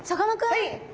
はい。